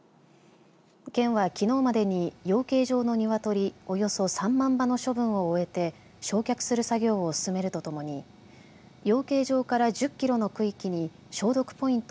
県はきのうまでに養鶏場の鶏およそ３万羽の処分を終えて焼却する作業を進めるとともに養鶏場から１０キロの区域に消毒ポイント